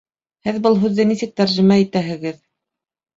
Һеҙ был һүҙҙе нисек тәржемә итәһегеҙ?